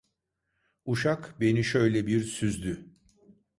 Uşak beni şöyle bir süzdü: